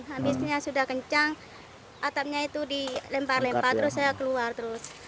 habisnya sudah kencang atapnya itu dilempar lempar terus saya keluar terus